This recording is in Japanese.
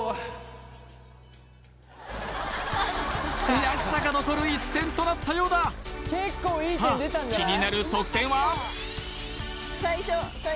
悔しさが残る一戦となったようださあ気になる得点は？